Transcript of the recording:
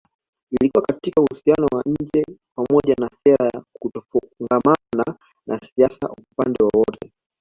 Ilikuwa katika uhusiano wa nje pamoja na sera ya kutofungamana na siasa upande wowote